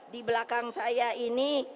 di belakang saya ini